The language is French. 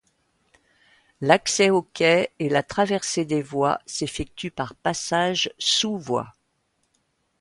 L'accès aux quais et la traversée des voies s'effectuent par passage sous voies.